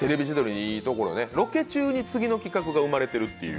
ロケ中に次の企画が生まれてるっていう。